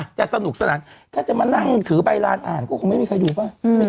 สนุกสนานถ้าจะมานั่งถือใบลานอ่านก็คงไม่มีใครดูป่ะ